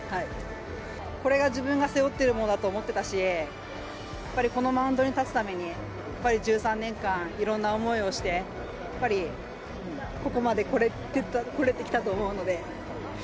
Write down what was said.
これが自分が背負っているものだと思ってたし、やっぱりこのマウンドに立つために、やっぱり１３年間、いろんな思いをして、やっぱり、ここまでこれてきたと思うので。